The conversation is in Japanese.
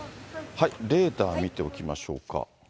レーダー見ておきましょうか。